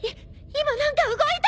今何か動いた！